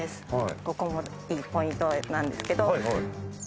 ここもいいポイントなんですけど。